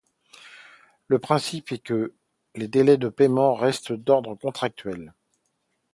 Le principe est que les délais de paiement restent d’ordre contractuel.